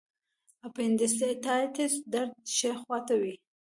د اپنډیسایټس درد ښي خوا ته وي.